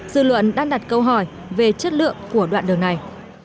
dư luận đang đặt câu hỏi về chất lượng của đoạn đường này